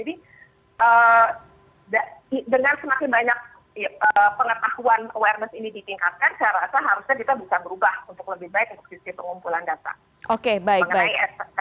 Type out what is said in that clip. mengenai ekstremik samping ya ekstremik obat